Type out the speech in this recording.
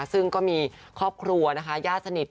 ซึ่งก็มีครอบครัวนะคะญาติสนิท